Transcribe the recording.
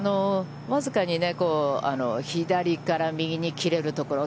僅かにね、左から右に切れるところ。